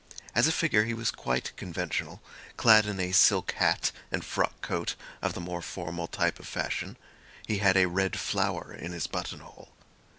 As a figure he was quite conventional, clad in a silk hat and frock coat of the more formal type of fashion; he had a red flower in his buttonhole.